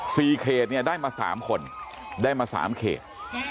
เขตเนี่ยได้มาสามคนได้มาสามเขต